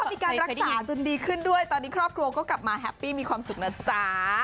มีการรักษาจนดีขึ้นด้วยตอนนี้ครอบครัวก็กลับมาแฮปปี้มีความสุขนะจ๊ะ